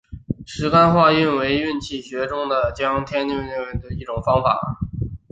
十干化运为运气学说中将天干与五行相配的一种方法。